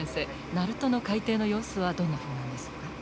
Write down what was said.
鳴門の海底の様子はどんなふうなんですか？